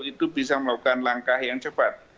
itu bisa melakukan langkah yang cepat